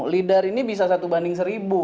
leader ini bisa satu banding seribu